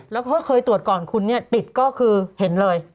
แล้วก็เคยตรวจก่อนคุณเนี่ยติดก็คือเห็นเลย